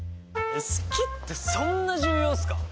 好きってそんな重要っすか？